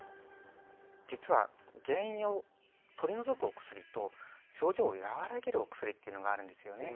実は「原因を取り除くお薬」と「症状を和らげるお薬」というのがあるんですよね。